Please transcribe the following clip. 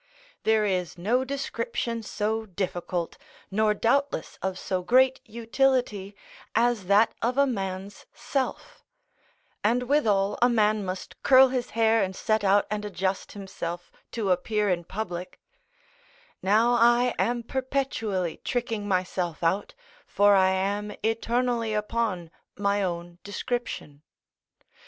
There is no description so difficult, nor doubtless of so great utility, as that of a man's self: and withal, a man must curl his hair and set out and adjust himself, to appear in public: now I am perpetually tricking myself out, for I am eternally upon my own description.